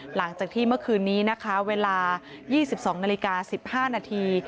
หลังจากที่เมื่อคืนนี้นะคะเวลา๒๒นาฬิกา๑๕นาที